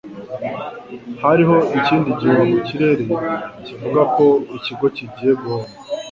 Hariho ikindi gihuha mu kirere kivuga ko ikigo kigiye guhomba.